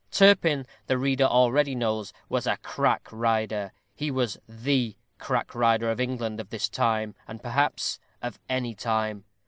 Turpin, the reader already knows, was a crack rider; he was the crack rider of England of his time, and, perhaps, of any time.